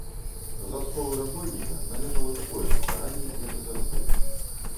За сховы разбойніка належала такое ж пакаранне, як і за разбой.